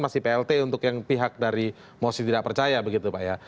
karena selama ini kan masih plt untuk yang pihak dari mosi tidak percaya begitu pak ya